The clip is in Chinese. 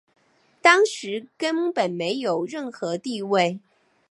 当时根本没有任何地位。